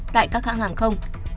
tại các hãng hàng không